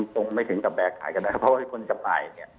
ตรงไม่ถึงกับแบร์ขายกันนะเพราะว่าเป็นคนจำหน่ายเนี่ย